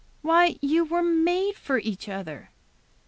Why, you were made for each other.